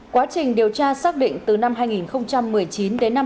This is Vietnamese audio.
quá trình điều tra xác định từ năm hai nghìn một mươi chín đến năm hai nghìn hai mươi